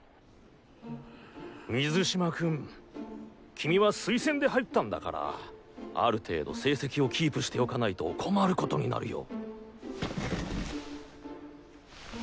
水嶋君君は推薦で入ったんだからある程度成績をキープしておかないと困ることになるよ。